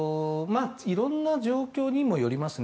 いろんな状況にもよりますね。